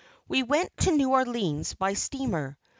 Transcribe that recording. We went to New Orleans by steamer.